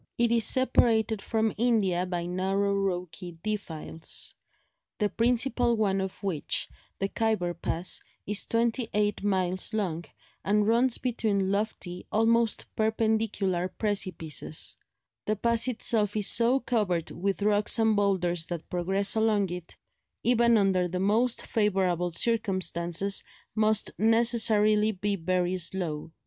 It is separated from India by narrow rocky defiles, the principal one of which, the Khyber pass, is twenty eight miles long, and runs between lofty, almost perpendicular precipices; the pass itself is so covered with rocks and boulders that progress along it, even under the most favourable circumstances, must necessarily be very slow.